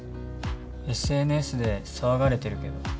ＳＮＳで騒がれてるけど。